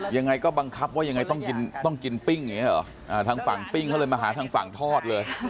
ยังไงก็บังคับว่ายังไงต้องกินปิ้งทางฝั่งปิ้งเขาเลยมาหาทางฝั่งทอดเลย